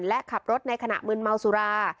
และขับรถในขณะมืนเมาสุรา